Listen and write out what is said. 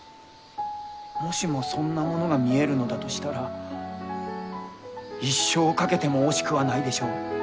もしもそんなものが見えるのだとしたら一生を懸けても惜しくはないでしょう。